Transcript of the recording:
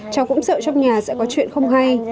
cháu cũng sợ trong nhà sẽ có chuyện không hay